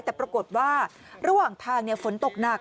แต่ปรากฏว่าระหว่างทางฝนตกหนัก